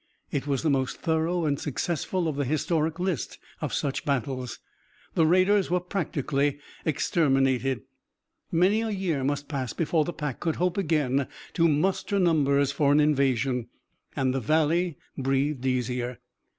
It was the most thorough and successful of the historic list of such battles. The raiders were practically exterminated. Many a year must pass before the pack could hope again to muster numbers for an invasion. And the Valley breathed easier.